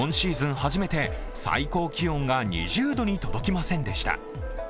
初めて最高気温が２０度に届きませんでした。